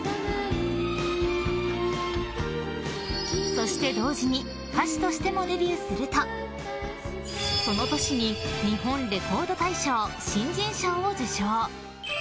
そして、同時に歌手としてもデビューするとその年に日本レコード大賞新人賞を受賞。